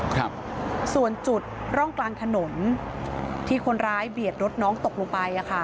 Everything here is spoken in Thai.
ครับส่วนจุดร่องกลางถนนที่คนร้ายเบียดรถน้องตกลงไปอ่ะค่ะ